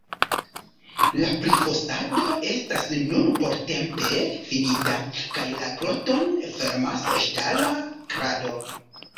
La prifosado estas nun portempe finita, kaj la groton fermas ŝtala krado.